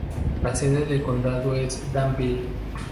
La sede de condado es Danville.